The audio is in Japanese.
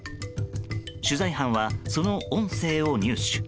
取材班は、その音声を入手。